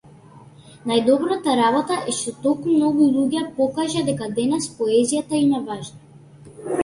Најдобрата работа е што толку многу луѓе покажа дека денес поезијата им е важна.